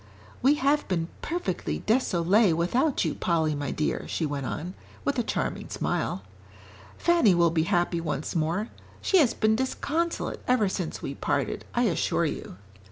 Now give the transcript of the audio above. "We have been perfectly désolée without you, Polly, my dear," she went on, with a charming smile. "Fanny will be happy once more. She has been disconsolate ever since we parted, I assure you."